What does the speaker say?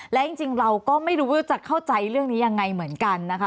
และจริงเราก็ไม่รู้ว่าจะเข้าใจเรื่องนี้ยังไงเหมือนกันนะคะ